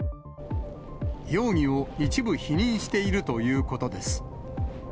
容疑を一部否認しているということです。